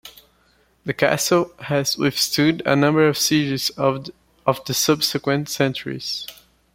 The castle has withstood a number of sieges over the subsequent centuries.